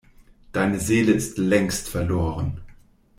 Deine Seele ist längst verloren.